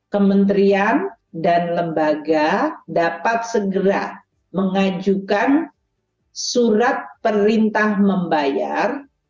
kementerian dan lembaga dapat segera mengajukan surat perintah membayar